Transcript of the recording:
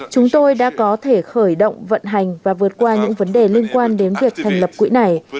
chúng tôi đã có thể khởi động vận hành và vượt qua những vấn đề liên quan đến việc thành lập quỹ này